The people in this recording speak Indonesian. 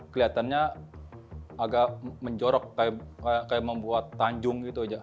kelihatannya agak menjorok kayak membuat tanjung gitu aja